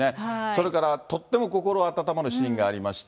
それからとっても心温まるシーンがありまして。